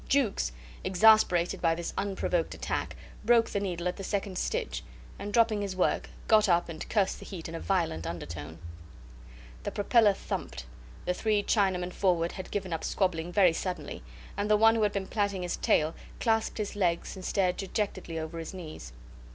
Jukes, exasperated by this unprovoked attack, broke the needle at the second stitch, and dropping his work got up and cursed the heat in a violent undertone. The propeller thumped, the three Chinamen forward had given up squabbling very suddenly, and the one who had been plaiting his tail clasped his legs and stared dejectedly over his knees.